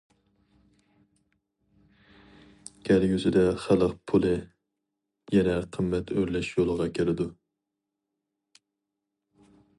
كەلگۈسىدە خەلق پۇلى يەنە قىممەت ئۆرلەش يولىغا كىرىدۇ.